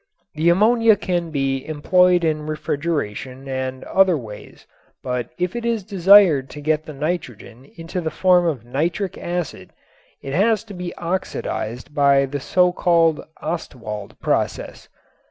The ammonia can be employed in refrigeration and other ways but if it is desired to get the nitrogen into the form of nitric acid it has to be oxidized by the so called Ostwald process.